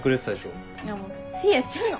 もうついやっちゃうの。